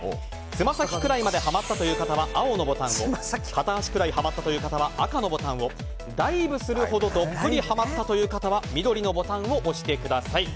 つま先くらいまでハマったという方は青のボタンを片足くらいはハマったという方は赤のボタンをダイブするほどどっぷりハマったという方は緑のボタンを押してください。